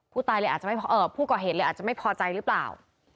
พูดก่อเหตุเลยอาจจะไม่พอใจหรือเปล่า